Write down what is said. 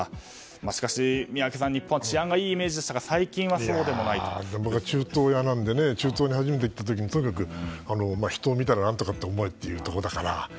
しかし、宮家さん日本は治安がいいイメージでしたが中東に初めて行った時もとにかく人を見たら何とかと思えというところだから。